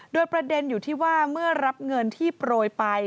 โดยประเด็นอยู่ที่ว่าเมื่อรับเงินที่โปรยไป